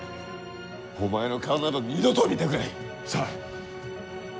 お前の顔など二度と見たくない。さあ。